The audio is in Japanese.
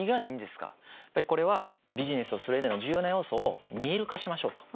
これはビジネスをする上での重要な要素を見える化しましょうと。